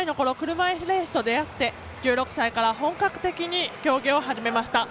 車いすレースと、出会って本格的に競技を始めました。